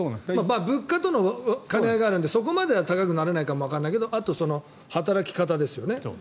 物価との兼ね合いがあるのでそこまでは高くならないかもしれないけどあと、働き方ですよね。